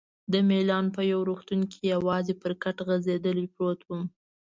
د میلان په یو روغتون کې یوازې پر کټ غځېدلی پروت وم.